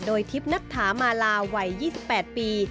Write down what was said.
โดยทิพย์นัทธามาลาวัย๒๘ปี